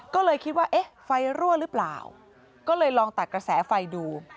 ก็เลยคิดว่าเอ๊ะไฟรั่วหรือเปล่าก็เลยลองตัดกระแสไฟดู